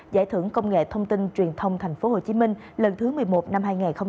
giải thưởng công nghệ thông tin truyền thông tp hcm lần thứ một mươi một năm hai nghìn hai mươi